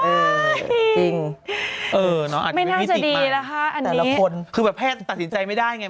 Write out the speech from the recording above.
เออจริงเออเนอะอาจจะไม่พิธีมากแต่ละคนคือแบบแพทย์ตัดสินใจไม่ได้ไง